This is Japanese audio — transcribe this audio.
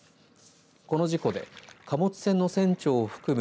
この事故で貨物貨物の船長を含む